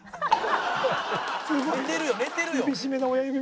寝てるよ寝てるよ。